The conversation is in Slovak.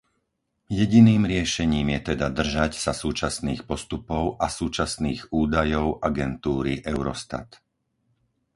Jediným riešením je teda držať sa súčasných postupov a súčasných údajov agentúry Eurostat.